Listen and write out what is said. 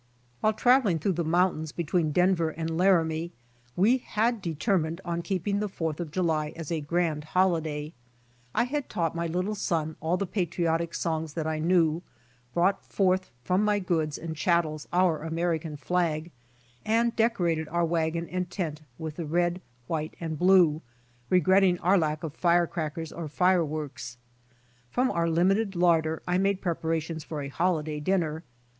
While traveling through the mountains between Denver and Laramie we had determined on keeping the Fourth of July as a grand holiday. I had taught my little son all the patriotic songs that I knew, brought 64 BY ox TEAM TO CALIFORNIA forth from my goods and chattels our American flag and decorated our wagon and tent with the red, white and blue, regretting our lack of firecrackers or fire works. Prom our limited larder I made preparations for a holiday dinner.